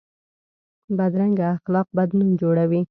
بدرنګه اخلاق بد نوم جوړوي